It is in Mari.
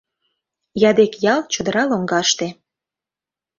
Ядек ял — чодыра лоҥгаште.